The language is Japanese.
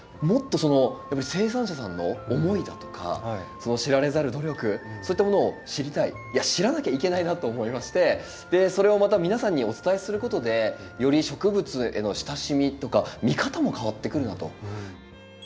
もっと生産者さんの思いだとかその知られざる努力そういったものを知りたいいや知らなきゃいけないなと思いましてでそれをまた皆さんにお伝えすることでより植物への親しみとか見方も変わってくるなと。